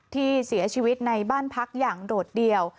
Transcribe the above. ที่เสียชีวิตในบ้านพักอย่างโดดเดี่ยว